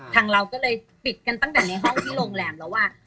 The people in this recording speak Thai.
เราก็เลยปิดกันตั้งแต่ในห้องที่โรงแรมแล้วว่า